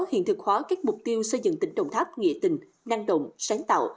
hiện thực hóa các mục tiêu xây dựng tỉnh đồng tháp nghệ tình năng động sáng tạo